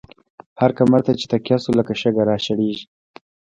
هر کمر ته چی تکیه شوو، لکه شگه را شړیږی